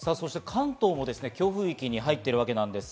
関東も強風域に入っています。